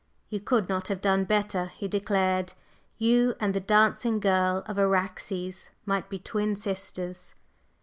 "You could not have done better," he declared. "You and the dancing girl of Araxes might be twin sisters."